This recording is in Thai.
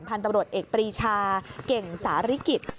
พันธุ์ตำรวจเอกปรีชาเก่งสาริกิจ